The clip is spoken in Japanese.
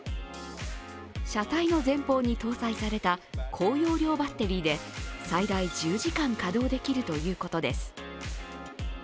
車体の前方に搭載された高容量バッテリーで最大１０時間稼働できるということです。